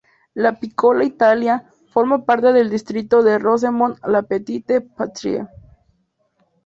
La "Piccola Italia" forma parte del distrito de Rosemont-La Petite-Patrie.